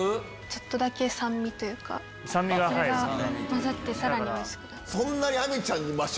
ちょっとだけ酸味が混ざってさらにおいしくなる。